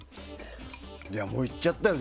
もういっちゃったよ